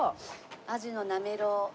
アジのなめろう。